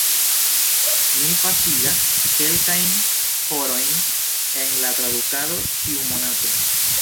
Mi pasigas kelkajn horojn en la tradukado ĉiumonate.